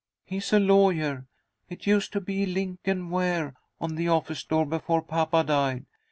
He's a lawyer. It used to be Link and Ware on the office door before papa died.